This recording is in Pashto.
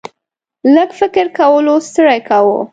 لږ فکر کولو ستړی کاوه.